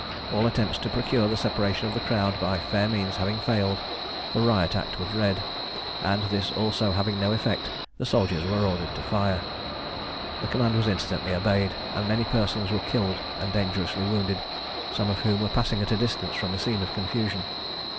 All attempts to procure the separation of the crowd by fair means having failed, the Riot Act was read; and this also having no effect, the soldiers were ordered to fire. The command was instantly obeyed, and many persons were killed and dangerously wounded, some of whom were passing at a distance from the scene of confusion.